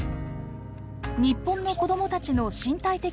日本の子どもたちの身体的